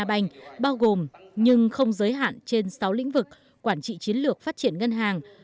và kb hanabank bao gồm nhưng không giới hạn trên sáu lĩnh vực quản trị chiến lược phát triển ngân hàng